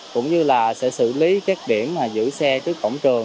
cũng như là sẽ xử lý các điểm giữ xe trước cổng trường